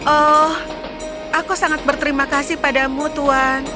oh aku sangat berterima kasih padamu tuhan